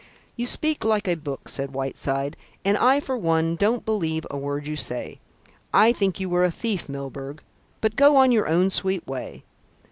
"You speak like a book," said Whiteside, "and I for one don't believe a word you say. I think you were a thief, Milburgh; but go on your own sweet way."